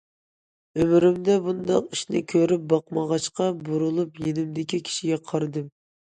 ئۆمرۈمدە بۇنداق ئىشنى كۆرۈپ باقمىغاچقا، بۇرۇلۇپ يېنىمدىكى كىشىگە قارىدىم.